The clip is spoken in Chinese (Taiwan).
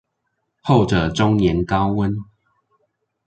後者終年高溫